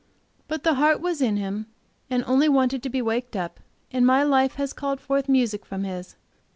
But the heart was in him, and only wanted to be waked up, and my life has called forth music from his.